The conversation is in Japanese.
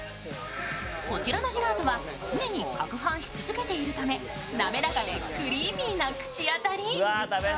こちらのジェラートは常に攪拌し続けているため滑らかでクリーミーな口当たり。